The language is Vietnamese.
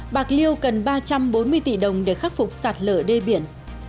bạc liêu cần ba trăm bốn mươi tỷ đồng để khắc phục sạt lở đê biển